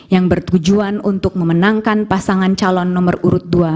yang bertujuan untuk memenangkan pasangan calon nomor urut dua